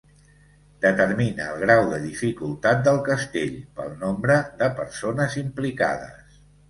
Determina el grau de dificultat del castell, pel nombre de persones implicades.